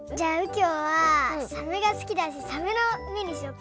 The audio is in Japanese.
きょうはサメがすきだしサメのめにしようかな。